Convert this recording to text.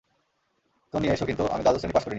তো নিয়ে এসো -কিন্তু, আমি দ্বাদশ শ্রেণী পাশ করিনি।